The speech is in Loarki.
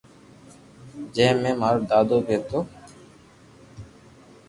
جي مي مارو دادو بي ھتو